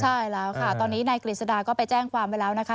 ใช่แล้วค่ะตอนนี้นายกฤษฎาก็ไปแจ้งความไว้แล้วนะคะ